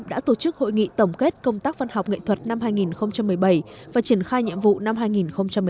đã tổ chức hội nghị tổng kết công tác văn học nghệ thuật năm hai nghìn một mươi bảy và triển khai nhiệm vụ năm hai nghìn một mươi tám